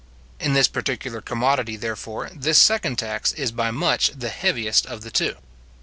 In this particular commodity, therefore, this second tax is by much the heaviest of the two.